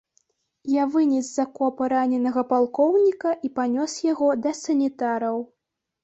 Я вынес з акопа раненага палкоўніка і панёс яго да санітараў.